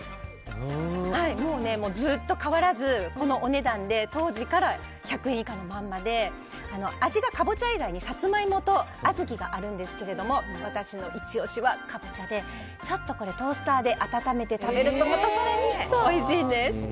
ずっと変わらずこのお値段で当時から１００円以下のままで味がかぼちゃ以外にサツマイモと小豆があるんですけど私のイチ押しはカボチャでちょっとトースターで温めて食べるとまたおいしいんです。